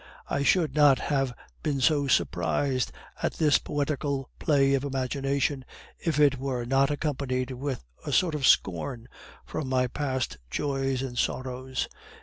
I should not have been so surprised at this poetical play of imagination if it were not accompanied with a sort of scorn for my past joys and sorrows.